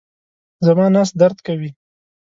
زما نس درد کوي